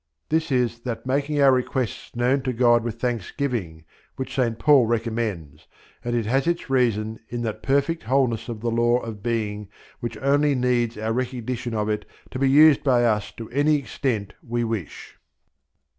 This is that making our requests known to God with thanksgiving which St. Paul recommends, and it has its reason in that perfect wholeness of the Law of Being which only needs our recognition of it to be used by us to any extent we wish.